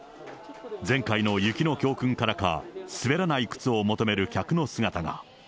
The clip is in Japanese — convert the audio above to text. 前回の雪の教訓からか滑らない靴を求める客の姿が。